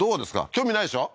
興味ないでしょ？